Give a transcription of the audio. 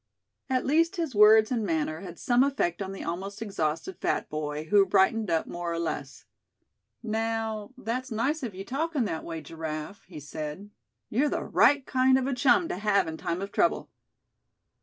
At least his words and manner had some effect on the almost exhausted fat boy, who brightened up more or less. "Now, that's nice of you talking that way, Giraffe," he said. "You're the right kind of a chum to have in time of trouble.